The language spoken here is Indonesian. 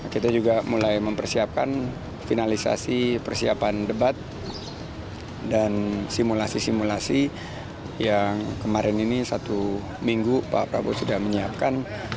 kita juga mulai mempersiapkan finalisasi persiapan debat dan simulasi simulasi yang kemarin ini satu minggu pak prabowo sudah menyiapkan